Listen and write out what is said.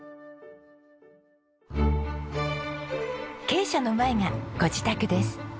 鶏舎の前がご自宅です。